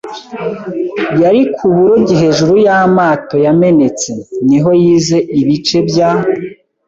yari ku burobyi hejuru y'amato yamenetse. Niho yize 'Ibice bya